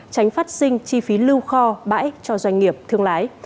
tránh phát sinh chi phí lưu kho bãi cho doanh nghiệp thương lái